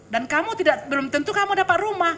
dan kamu belum tentu kamu dapat rumah